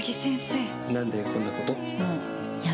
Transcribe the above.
何でこんなこと？